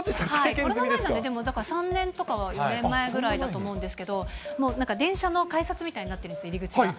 この前なんで、でも３年とか４年前ぐらいだと思うんですけど、電車の改札みたいになってるんですよ、入り口が。